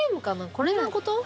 これのこと？